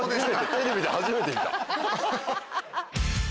テレビで初めて見た。